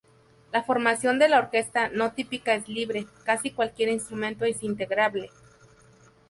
La formación de la Orquesta No Típica es libre, casi cualquier instrumento es integrable.